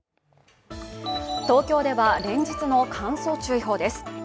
東京では連日の乾燥注意報です。